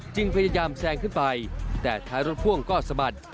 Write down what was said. พยายามแซงขึ้นไปแต่ท้ายรถพ่วงก็สะบัด